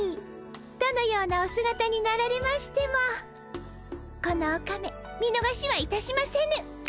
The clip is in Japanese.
どのようなおすがたになられましてもこのオカメ見逃しはいたしませぬ。